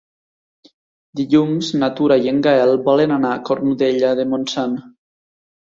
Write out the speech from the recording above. Dilluns na Tura i en Gaël volen anar a Cornudella de Montsant.